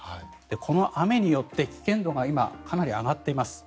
この雨によって危険度が今、かなり上がっています。